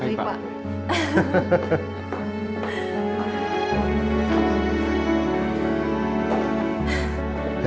terima kasih pak